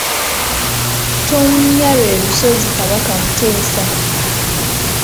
Ttonnya lwe lusozi Kabaka Muteesa.